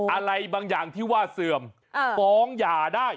อะไรบางอย่างที่ว่าเสื่อมฟ้องหย่าได้